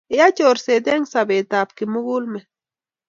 yaa chorset eng sobetab kimugulmet